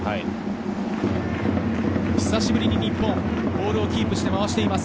久しぶりに日本、ボールをキープして回しています。